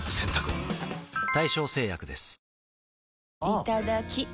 いただきっ！